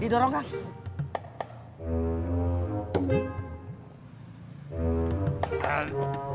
di dorong kang